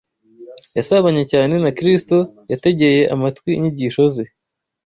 Yasabanye cyane na Kristo, yategeye amatwi inyigisho ze